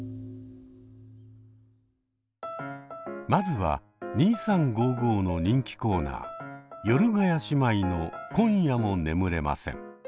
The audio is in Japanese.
まずは「２３」の人気コーナー「ヨルガヤ姉妹の今夜も眠れません」。